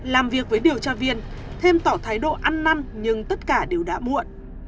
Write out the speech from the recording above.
làm việc với điều tra viên thêm tỏ thái độ ăn năn nhưng tất cả đều đã muộn